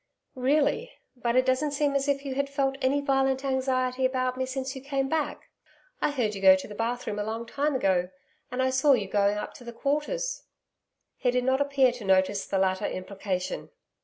'Really! But it doesn't seem as if you had felt any violent anxiety about me since you came back. I heard you go to the bathroom a long time ago, and I saw you going up to the Quarters.' He did not appear to notice the latter implication.